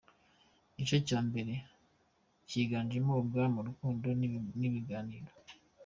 Igice cya mbere cyiganjemo ubwami, urukundo n’ibiganiro.